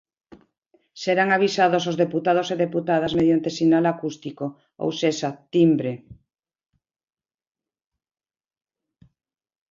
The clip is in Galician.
Serán avisados os deputados e deputadas mediante sinal acústico; ou sexa, timbre.